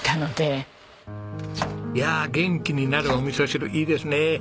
いやあ元気になるおみそ汁いいですね。